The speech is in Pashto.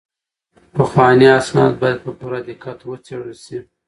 پخواني اسناد باید په پوره دقت وڅیړل شي.